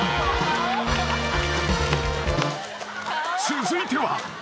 ［続いては］